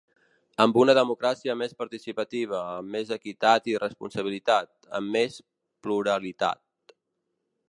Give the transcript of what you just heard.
Amb una democràcia més participativa, amb més equitat i responsabilitat, amb més pluralitat.